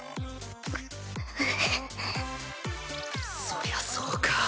そりゃそうか。